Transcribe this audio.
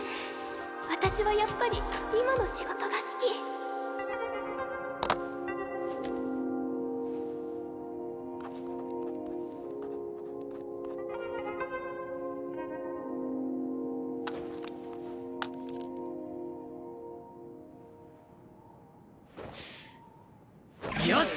私はやっぱり今の仕事が好きよし！